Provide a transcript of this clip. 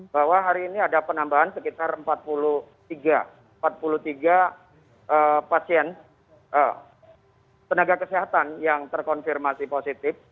bahwa hari ini ada penambahan sekitar empat puluh tiga pasien tenaga kesehatan yang terkonfirmasi positif